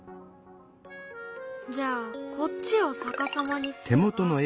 じゃあこっちを逆さまにすれば。